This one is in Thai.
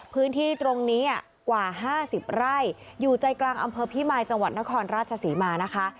พื้นที่ตรงนี้กว่า๕๐ไร่อยู่ใจกลางอำเภอพิมายจังหวัดนครราชศรีมานะคะ